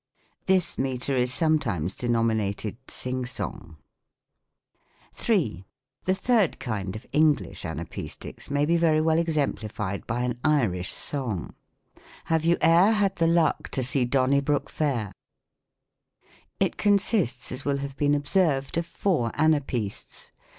This metre is sometimes denominated sing song. 3. The third kind of English Anapcestics may be rery well exemplified by an Irish song :• Have you e'er had the luck t6 see Donnybrook Fair V* 132 THE COMIC ENGLISH GRAMMAR. It consists, as will have been observed, of four ana psBsts.